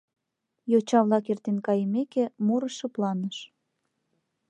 Йоча-влак эртен кайымеке, муро шыпланыш.